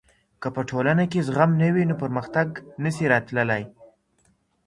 که په ټولنه کي زغم نه وي نو پرمختګ نسي راتلای.